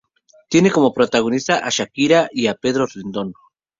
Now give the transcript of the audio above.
Tiene como protagonista a Shakira y a Pedro Rendón.